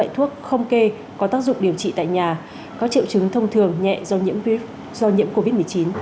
thuốc không kê có tác dụng điều trị tại nhà có triệu chứng thông thường nhẹ do nhiễm covid một mươi chín